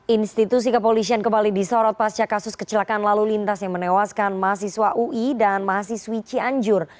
institusi kepolisian kembali disorot pasca kasus kecelakaan lalu lintas yang menewaskan mahasiswa ui dan mahasiswi cianjur